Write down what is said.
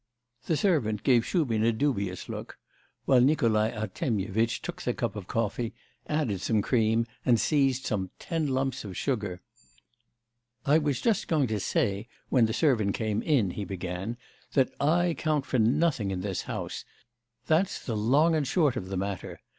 The servant gave Shubin a dubious look, while Nikolai Artemyevitch took the cup of coffee, added some cream, and seized some ten lumps of sugar. 'I was just going to say when the servant came in,' he began, 'that I count for nothing in this house. That's the long and short of the matter.